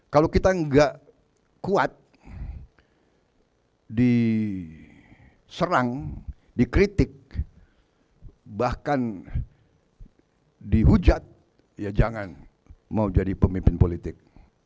kalau kita nggak kuat diserang dikritik bahkan dihujat ya jangan mau jadi pemimpin politik